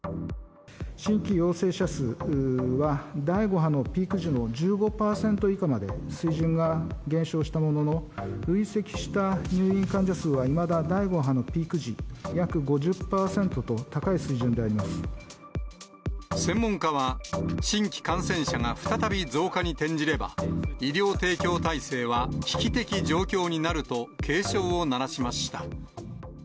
新規陽性者数は、第５波のピーク時の１５％以下まで水準が減少したものの、累積した入院患者数はいまだ第５波のピーク時、約５０％と高い水専門家は、新規感染者が再び増加に転じれば、医療提供体制は危機的状況になると警鐘を鳴らしました。